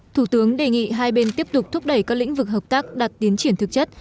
thủ tướng đề nghị hai bên tiếp tục thúc đẩy các lĩnh vực hợp tác đạt tiến triển thực chất